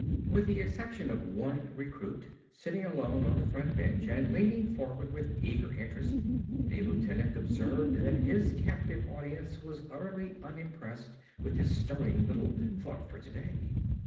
With the exception of one recruit sitting alone on the front bench and leaning forward with eager interest, the lieutenant observed that his captive audience was utterly unimpressed with his stirring little "thought for today."